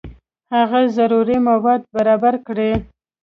هغه ضروري مواد برابر کړي.